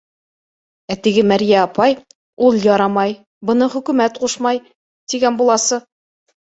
Ә теге мәрйә апай ул ярамай, быны хөкүмәт ҡушмай, тигән буласы.